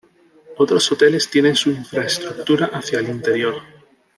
Otros hoteles tienen su infraestructura hacia el interior.